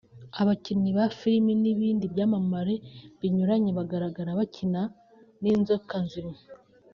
abakinnyi ba filime n’ibindi byamamare binyuranye bagaragara bakina n’inzoka nzima